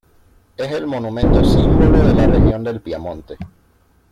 Es el monumento símbolo de la región del Piamonte.